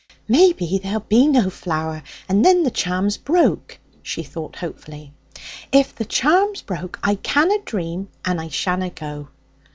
'Maybe there'll be no flower, and then the charm's broke,' she thought hopefully. 'If the charm's broke, I canna dream, and I shanna go.'